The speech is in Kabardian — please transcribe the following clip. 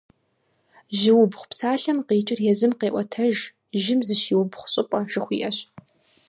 «Жьыубгъу» псалъэм къикӀыр езым къеӀуэтэж: «жьым зыщиубгъу щӀыпӀэ» жыхуиӀэщ.